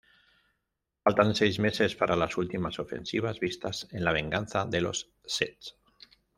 Faltan seis meses para las últimas ofensivas vistas en La venganza de los Sith.